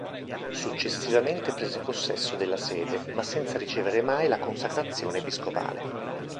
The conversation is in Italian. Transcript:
Successivamente prese possesso della sede, ma senza ricevere mai la consacrazione episcopale.